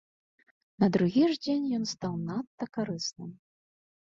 На другі ж дзень ён стаў надта карысным.